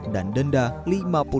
dan denda seratus juta rupiah